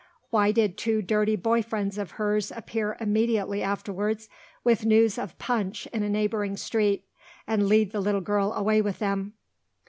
Why did two dirty boyfriends of hers appear immediately afterwards with news of Punch in a neighbouring street, and lead the little girl away with them?